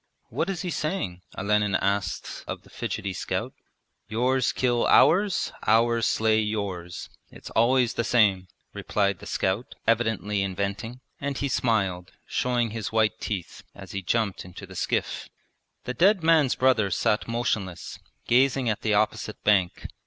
'What is he saying?' Olenin asked of the fidgety scout. 'Yours kill ours, ours slay yours. It's always the same,' replied the scout, evidently inventing, and he smiled, showing his white teeth, as he jumped into the skiff. The dead man's brother sat motionless, gazing at the opposite bank.